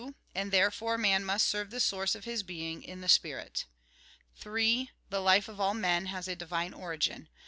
And therefore, man must serve the Source of his being, in the spirit. 3. The life of all men has a divine Origin.